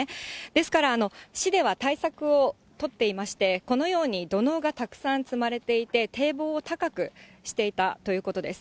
ですから、市では対策を取っていまして、このように土のうがたくさん積まれていて、堤防を高くしていたということです。